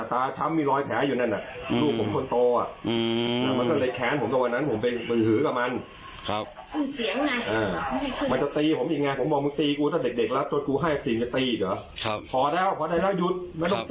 ตาช้ำมีรอยแผลอยู่นั่นน่ะ